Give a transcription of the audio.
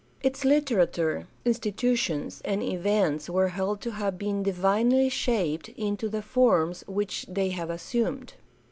Its Kterature, insti tutions, and events were held to have been divinely shaped into the forms which they have assumed.